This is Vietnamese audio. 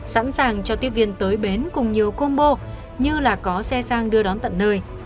sẵn sàng cho tiếp viên tới bến cùng nhiều combo như là có xe sang đưa đón tận nơi